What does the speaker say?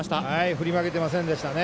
振り負けてませんでしたね。